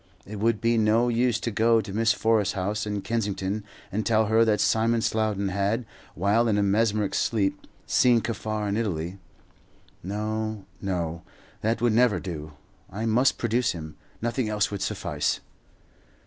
It would be no use to go to Miss Forrest's house in Kensington and tell her that Simon Slowden had, while in a mesmeric sleep, seen Kaffar in Italy. No, no; that would never do. I must produce him, nothing else would suffice.